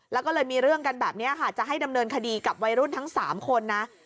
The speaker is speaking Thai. แล้วก็เลยมีเรื่องกันแบบนี้ค่ะจะให้ดำเนินคดีกับวัยรุ่นทั้ง๓คนนะ